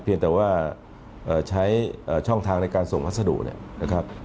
เพียงแต่ว่าใช้ช่องทางในการส่งพัสดุเนี่ยนะครับ